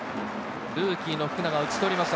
ルーキーの福永を打ち取りました。